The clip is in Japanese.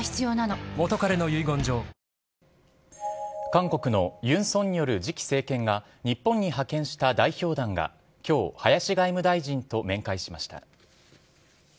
韓国のユン・ソンニョル次期政権が日本に派遣した代表団が、きょう林外務大臣と面会しました。